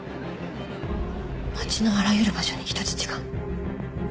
街のあらゆる場所に人質が。